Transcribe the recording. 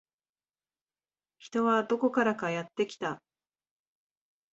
人はどこからかやってきた